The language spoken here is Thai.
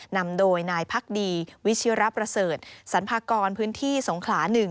นำโดยนายพักดีวิชิระประเสริฐสรรพากรพื้นที่สงขลา๑